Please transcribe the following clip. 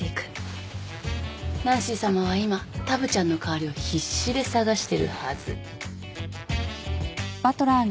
ナンシーさまは今タブちゃんの代わりを必死で探してるはず。